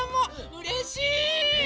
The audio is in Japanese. うれしい！